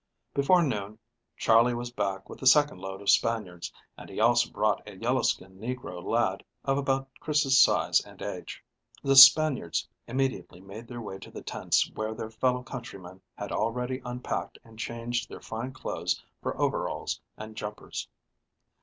Before noon, Charley was back with the second load of Spaniards, and he also brought a yellow skinned negro lad of about Chris' size and age. The Spaniards immediately made their way to the tents where their fellow countrymen had already unpacked and changed their fine clothes for overalls and jumpers.